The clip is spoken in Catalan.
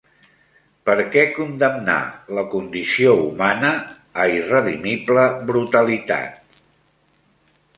Per què condemnar la condició humana a irredimible brutalitat?